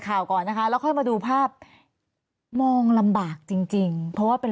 ก่อนนะคะแล้วค่อยมาดูภาพมองลำบากจริงจริงเพราะว่าเป็น